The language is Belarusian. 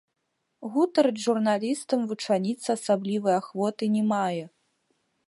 Гутарыць з журналістам вучаніца асаблівай ахвоты не мае.